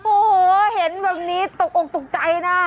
โอ้โหเห็นแบบนี้ตกอกตกใจนะ